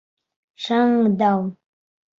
ШАҢДАУ